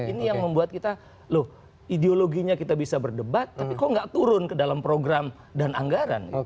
ini yang membuat kita loh ideologinya kita bisa berdebat tapi kok nggak turun ke dalam program dan anggaran gitu